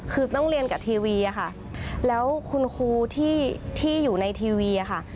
คือต้องเรียนกับทีวีอะค่ะแล้วคุณครูที่อยู่ในทีวีค่ะ